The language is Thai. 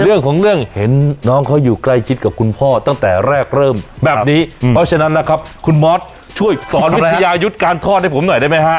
เรื่องของเรื่องเห็นน้องเขาอยู่ใกล้ชิดกับคุณพ่อตั้งแต่แรกเริ่มแบบนี้เพราะฉะนั้นนะครับคุณมอสช่วยสอนวิทยายุทธ์การทอดให้ผมหน่อยได้ไหมฮะ